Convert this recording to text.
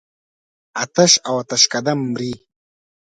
آتش او آتشکده مري.